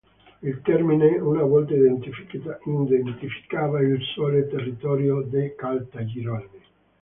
Il termine una volta identificava il solo territorio di Caltagirone.